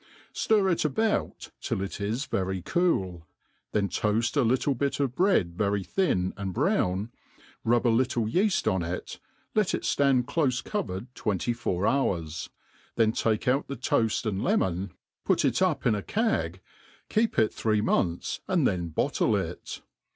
Sir it about till it is very cool, then toaft a little bit of bread very thin and brown, rub a little yeaft on it, let it ftand clofe covered twenty four hours^ then take out the toaft and lemon, put it up in a cagg, keep i| three months, and then bottle it.